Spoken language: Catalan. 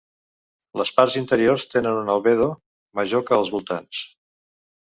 Les parts interiors tenen un albedo major que els voltants.